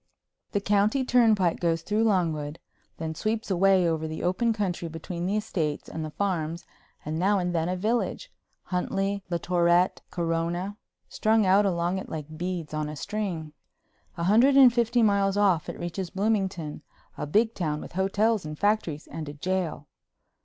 The county turnpike goes through Longwood, and then sweeps away over the open country between the estates and the farms and now and then a village—Huntley, Latourette, Corona—strung out along it like beads on a string. A hundred and fifty miles off it reaches Bloomington, a big town with hotels and factories and a jail.